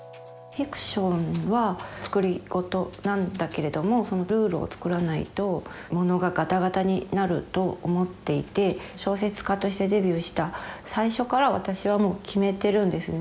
フィクションは作り事なんだけれどもそのルールを作らないとものがガタガタになると思っていて小説家としてデビューした最初から私はもう決めてるんですね